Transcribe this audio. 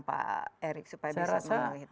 pak erick supaya bisa memenuhi target